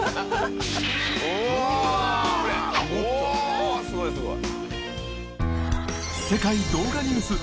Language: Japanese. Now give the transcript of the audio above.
おおすごいすごい。